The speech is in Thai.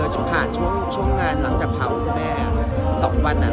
สองวันเออผ่านช่วงช่วงงานหลังจากเผาแบบสองวันอ่ะ